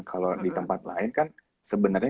kalau di tempat lain kan sebenarnya